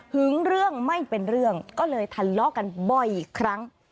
เรื่องไม่เป็นเรื่องก็เลยทะเลาะกันบ่อยครั้ง